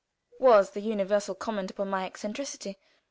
was the universal comment upon my eccentricity.